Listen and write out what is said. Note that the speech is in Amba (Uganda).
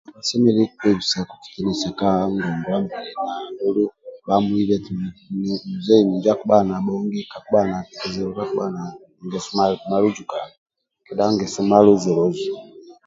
Asemelelu kolisa ka ngonguwa mbili andulu bhamuibe eti miki minjo akibhaga na bhongi kakibhaga na ngeso malujukana kedha ngeso maluzuluzu.